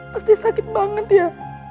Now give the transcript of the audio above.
pasti sakit banget ya